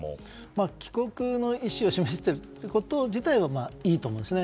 帰国の意思を示しているということ自体はいいと思うんですね。